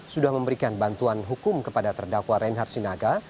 sudah memberikan bantuan hukum kepada terdakwa reinhard sinaga